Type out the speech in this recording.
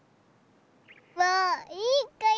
もういいかい？